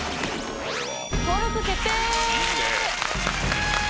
登録決定！